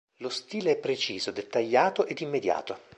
Lo stile è preciso, dettagliato ed immediato.